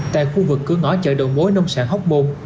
tại khu vực cửa ngõ chợ đầu mối nông sản hóc môn